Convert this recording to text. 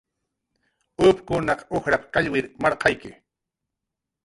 "upkunaq ujrap"" kallwir marqayki"